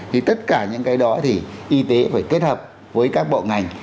thì tất cả những cái đó thì y tế phải kết hợp với các bộ ngành